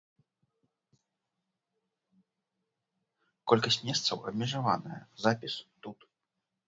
Колькасць месцаў абмежаваная, запіс тут.